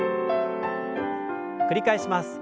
繰り返します。